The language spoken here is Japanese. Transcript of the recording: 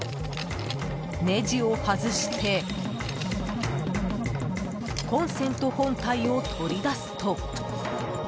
ネジを外してコンセント本体を取り出すと。